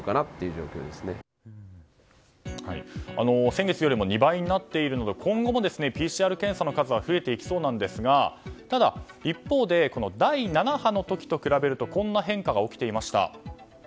先月よりも２倍になっているので今後もＰＣＲ検査の数は増えていきそうなんですがただ、一方で第７波の時と比べるとこんな変化が起きていました。